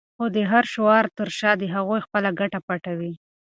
خو د هر شعار تر شا د هغوی خپله ګټه پټه وي.